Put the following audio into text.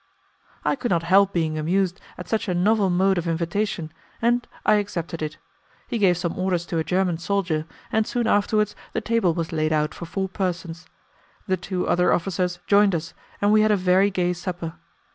I could not help being amused at such a novel mode of invitation, and I accepted it. He gave some orders to a German soldier, and soon afterwards the table was laid out for four persons. The two other officers joined us, and we had a very gay supper.